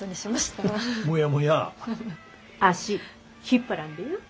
足引っ張らんでよ。